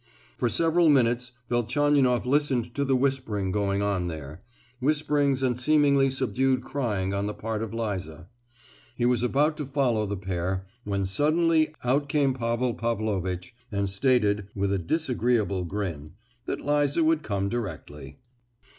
For several minutes Velchaninoff listened to the whispering going on there,—whisperings and seemingly subdued crying on the part of Liza. He was about to follow the pair, when suddenly out came Pavel Pavlovitch, and stated—with a disagreeable grin—that Liza would come directly.